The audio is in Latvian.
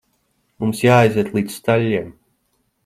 Mums jāaiziet līdz staļļiem.